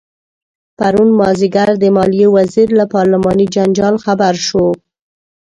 پرون مازدیګر د مالیې وزیر له پارلماني جنجال خبر شو.